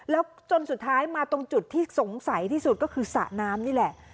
แล้วจนสุดท้ายมาตรงจุดที่สงสัยที่สุดก็คือสระน้ำนี่แหละ